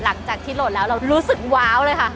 หลังจากที่โหลดแล้วเรารู้สึกว้าวเลยค่ะ